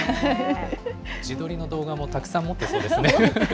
自撮りの動画もたくさん持ってそうですね。